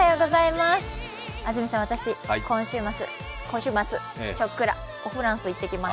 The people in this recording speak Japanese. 安住さん、私、今週末、ちょっくらおフランスに行ってきます。